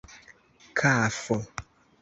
kafo